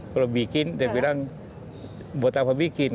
kalau bikin dia bilang buat apa bikin